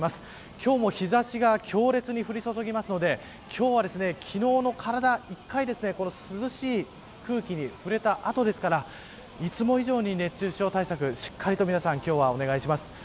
今日も日差しが強烈に降り注ぎますので今日は昨日の体１回涼しい空気に触れた後なのでいつも以上に熱中症対策をお願いします。